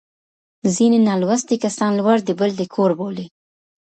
ځیني نالوستي کسان لور د بل د کور بولي